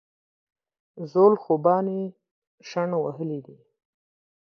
زول خوبانۍ شڼ وهلي دي